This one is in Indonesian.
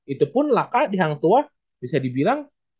itu pun laka di hang tuah bisa dibilang